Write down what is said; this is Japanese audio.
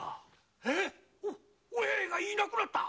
えお八重がいなくなった。